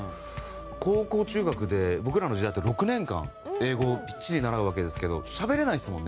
高校中学で僕らの時代だったら６年間英語をびっちり習うわけですけどしゃべれないですもんね